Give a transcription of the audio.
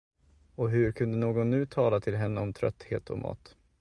Och hur kunde någon nu tala till henne om trötthet och mat.